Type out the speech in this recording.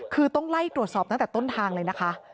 คือต้องไล่ตรวจสอบตั้งแต่ต้นทางเลยนะคะ